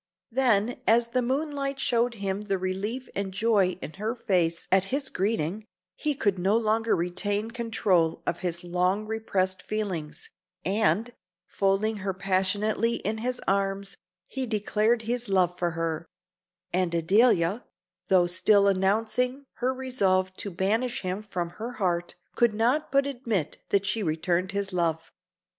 Then, as the moonlight showed him the relief and joy in her face at his greeting, he could no longer retain control of his long repressed feelings, and, folding her passionately in his arms, he declared his love for her; and Adelia, though still announcing her resolve to banish him from her heart, could not but admit that she returned his love.